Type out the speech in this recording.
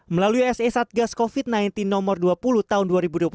melalui se satgas covid sembilan belas nomor dua puluh tahun dua ribu dua puluh satu